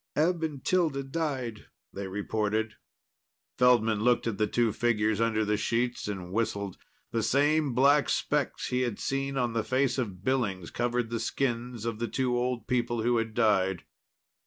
"Eb and Tilda died," they reported. Feldman looked at the two figures under the sheets and whistled. The same black specks he had seen on the face of Billings covered the skins of the two old people who had died.